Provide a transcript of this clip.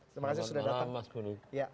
selamat malam mas buny